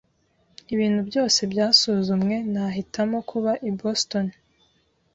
Ibintu byose byasuzumwe, nahitamo kuba i Boston.